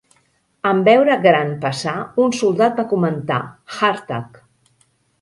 En veure Grant passar, un soldat va comentar: "Hardtack".